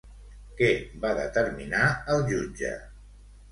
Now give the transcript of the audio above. Què va determinar el jutge?